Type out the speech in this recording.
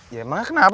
ya emangnya kenapa